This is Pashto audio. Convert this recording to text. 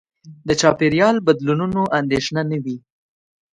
د چاپېریال بدلونونو اندېښنه نه وي.